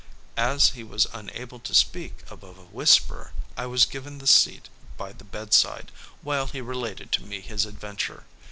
As he was unable to speak above a whisper, I was given the seat by the bedside, while he related to me his adventure.